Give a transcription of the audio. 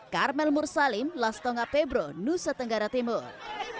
karmel mursalim lastonga pebro nusa tenggara timur